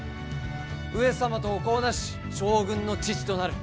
上様とお子をなし将軍の父となる。